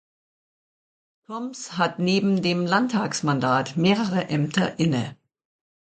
Thoms hat neben dem Landtagsmandat mehrere Ämter inne.